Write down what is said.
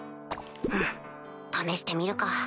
ふむ試してみるか。